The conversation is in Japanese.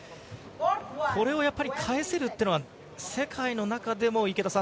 これをやっぱり返せるっていうのは、世界の中でも池田さん。